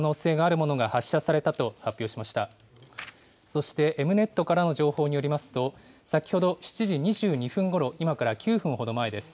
そしてＥｍ−Ｎｅｔからの情報によりますと、先ほど７時２２分ごろ、今から９分ほど前です。